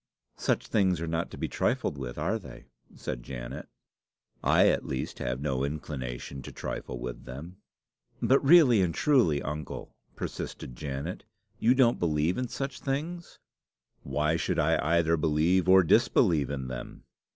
"Such things are not to be trifled with, are they?" said Janet. "I at least have no inclination to trifle with them." "But, really and truly, uncle," persisted Janet, "you don't believe in such things?" "Why should I either believe or disbelieve in them?